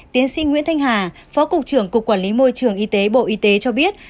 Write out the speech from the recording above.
tiến sĩ nguyễn thanh hà phó cục trưởng cục quản lý môi trường y tế bộ y tế cho biết